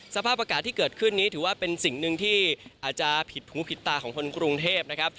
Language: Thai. สภาพอากาศที่เกิดขึ้นนี้ถือว่าเป็นสิ่งหนึ่งที่อาจจะผิดหูผิดตาของคนกรุงเทพนะครับ